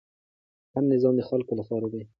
هر نظام د خلکو لپاره دی